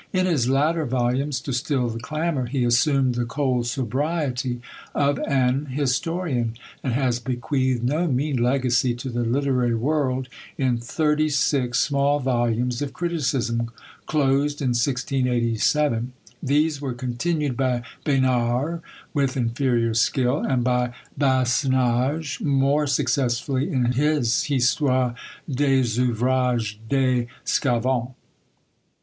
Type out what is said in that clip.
In his latter volumes, to still the clamour, he assumed the cold sobriety of an historian: and has bequeathed no mean legacy to the literary world, in thirty six small volumes of criticism, closed in 1687. These were continued by Bernard, with inferior skill; and by Basnage more successfully, in his Histoire des Ouvrages des Sçavans.